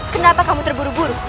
kenapa kamu terburu buru